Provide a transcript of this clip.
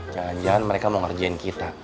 jangan jangan mereka mau ngerjain kita